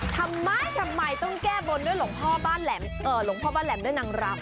ทำไมทำไมต้องแก้บนด้วยหลวงพ่อบ้านหลวงพ่อบ้านแหลมด้วยนางรำ